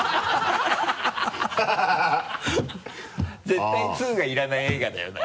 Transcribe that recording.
絶対２がいらない映画だよな。